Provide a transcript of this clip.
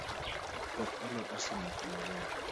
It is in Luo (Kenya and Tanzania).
Koth alot osemoko maber